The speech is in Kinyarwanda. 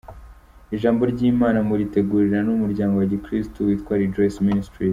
Ijambo ry’Imana muritegurirwa n’umuryango wa Gikristu witwa Rejoice Ministries.